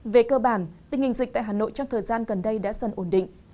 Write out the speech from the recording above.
về cơ bản tình hình dịch tại hà nội trong thời gian gần đây đã dần ổn định